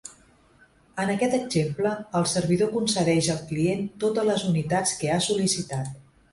En aquest exemple, el servidor concedeix al client totes les unitats que ha sol·licitat.